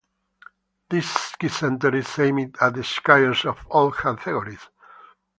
This ski center is aimed at skiers of all categories.